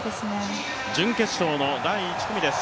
準決勝の第１組です。